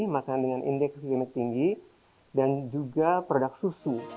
makanan dengan indeks klinik tinggi dan juga produk susu